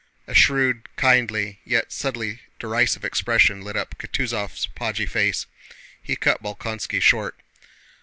A shrewd, kindly, yet subtly derisive expression lit up Kutúzov's podgy face. He cut Bolkónski short.